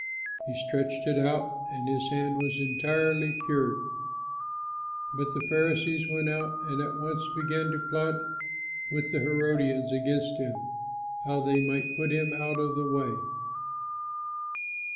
He stretched it out, and his hand was entirely cured. But the Pharisees went out and at once began to plot with the Herodians against him, how they might put him out of the way.